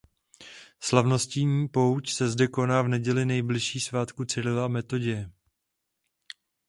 Slavnostní pouť se zde koná v neděli nejbližší svátku Cyrila a Metoděje.